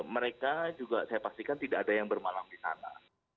mereka juga saya pastikan tidak ada yang bermalam di sana